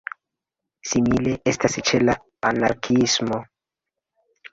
Simile estas ĉe la anarkiismo.